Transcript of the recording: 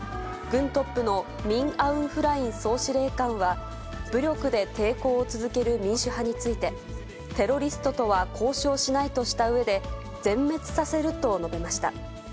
軍トップのミン・アウン・フライン総司令官は、武力で抵抗を続ける民主派について、テロリストとは交渉しないとしたうえで、全滅させると述べました。